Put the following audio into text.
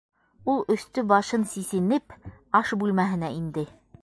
Ул, өҫтө-башын сисенеп, аш бүлмәһенә инде.